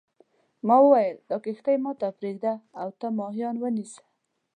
ما وویل دا کښتۍ ما ته پرېږده او ته ماهیان ونیسه.